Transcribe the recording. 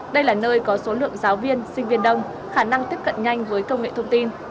đây là nơi có số lượng giáo viên sinh viên đông khả năng tiếp cận nhanh với công nghệ thông tin